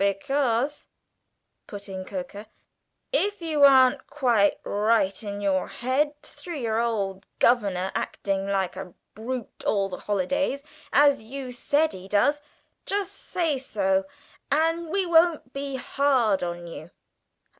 "Because," put in Coker, "if you aren't quite right in your head, through your old governor acting like a brute all the holidays, as you said he does, just say so, and we won't be hard on you."